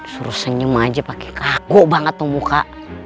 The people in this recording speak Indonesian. suruh senyum aja pake kaku banget tuh muka